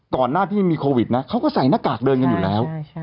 ก่อนหน้าที่มีโควิดนะเขาก็ใส่หน้ากากเดินกันอยู่แล้ว